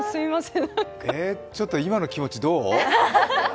ちょっと今の気持ちどう？